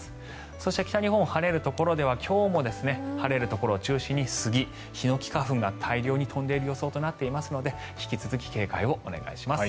そして北日本、晴れるところでは今日も晴れるところを中心に杉・ヒノキ花粉が大量に飛んでいる予想となっていますので引き続き警戒をお願いします。